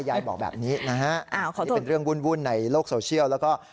ยายบอกแบบนี้นะฮะนี่เป็นเรื่องวุ่นในโลกโซเชียลแล้วก็